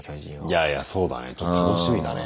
いやいやそうだねちょっと楽しみだね。